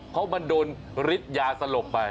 เพราะมันโดนฤทธิ์ยาสลบไป